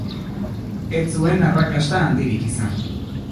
Ez zuen arrakasta handirik izan.